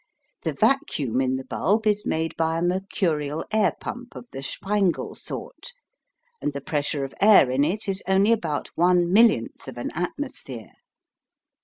The vacuum in the bulb is made by a mercurial air pump of the Sprengel sort, and the pressure of air in it is only about one millionth of an atmosphere.